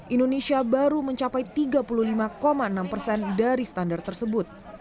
indonesia baru mencapai tiga puluh lima enam persen dari standar tersebut